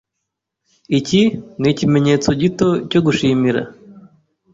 Iki nikimenyetso gito cyo gushimira.